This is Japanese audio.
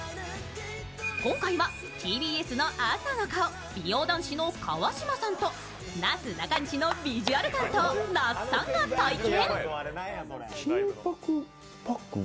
今回はＴＢＳの朝の顔・美容男子の川島さんと、なすなかにしのビジュアル担当那須さんが体験。